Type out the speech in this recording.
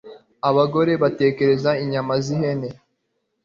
Abagore bateka inyama zihene